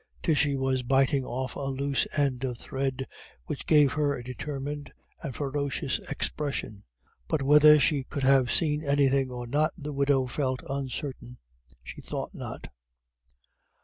Tishy was bitting off a loose end of thread, which gave her a determined and ferocious expression, but whether she could have seen anything or not the widow felt uncertain. She thought not.